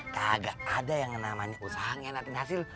kagak ada yang namanya usaha yang nanti hasil